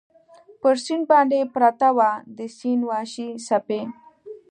پر سیند باندې پرته وه، د سیند وحشي څپې.